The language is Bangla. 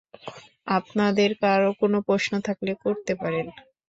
আপনাদের কারো কোনো প্রশ্ন থাকলে করতে পারেন।